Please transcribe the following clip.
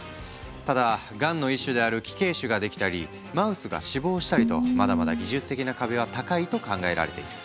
ただがんの一種である奇形腫が出来たりマウスが死亡したりとまだまだ技術的な壁は高いと考えられている。